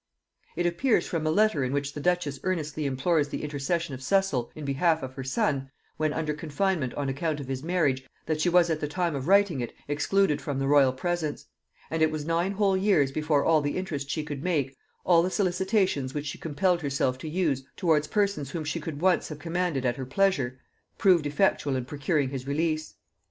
It appears from a letter in which the duchess earnestly implores the intercession of Cecil in behalf of her son, when under confinement on account of his marriage, that she was at the time of writing it excluded from the royal presence; and it was nine whole years before all the interest she could make, all the solicitations which she compelled herself to use towards persons whom she could once have commanded at her pleasure, proved effectual in procuring his release.